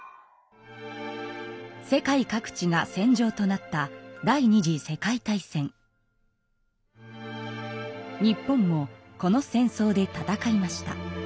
世界各地が戦場となった日本もこの戦争で戦いました。